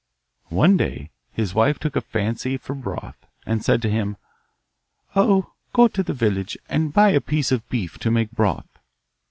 One day his wife took a fancy for broth, and said to him, 'Oh, go to the village, and buy a piece of beef to make broth.